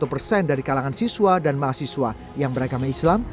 dapat lima puluh satu persen dari kalangan siswa dan mahasiswa yang beragama islam